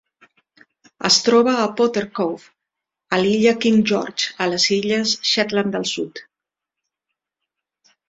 Es troba a Potter Cove, a l'illa King George, a les illes Shetland del Sud.